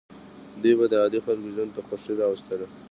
دوی به د عادي خلکو ژوند ته خوښي راوستله.